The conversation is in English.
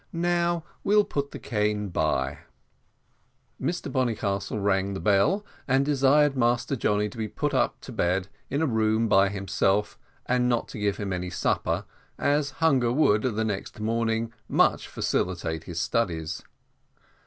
Now we'll put the cane by." Mr Bonnycastle rang the bell, and desired Master Johnny to be put to bed, in a room by himself, and not to give him any supper, as hunger would, the next morning, much facilitate his studies.